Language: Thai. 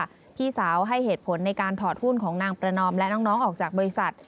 นางสรีพรและครอบครัวให้เหตุผลในการถอดหุ้นของนางประนอมและน้องน้องออกจากบริษัท